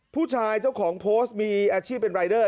ผู้ชายเจ้าของโพสต์มีอาชีพเป็นรายเดอร์